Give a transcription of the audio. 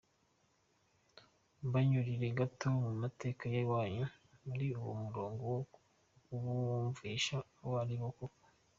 Mbanyurire gato mu mateka y’iwanyu, muri uwo murongo wo kubumvisha abo aribo koko.